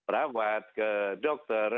ke perawat ke dokter